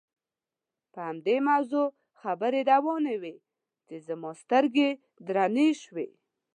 پر همدې موضوع خبرې روانې وې چې زما سترګې درنې شوې.